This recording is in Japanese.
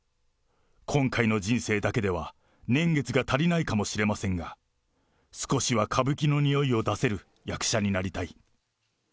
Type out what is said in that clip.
今回の人生だけでは年月が足りないかもしれませんが、少しは歌舞伎のにおいを出せる役者になりたい。